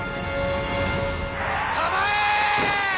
構え！